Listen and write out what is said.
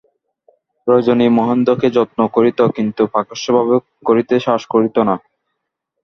রজনী মহেন্দ্রকে যত্ন করিত, কিন্তু প্রকাশ্যভাবে করিতে সাহস করিত না।